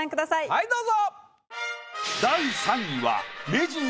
はいどうぞ。